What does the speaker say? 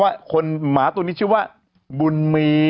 ว่าคนหมาตัวนี้ชื่อว่าบุญมี